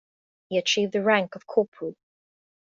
He achieved the rank of corporal.